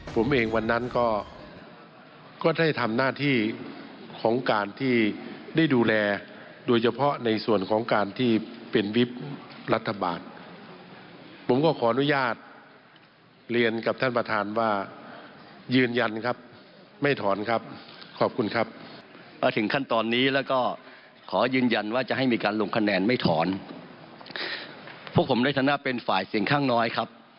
พวกผมได้ทางหน้าเป็นฝ่ายเสียงข้างน้อยครับ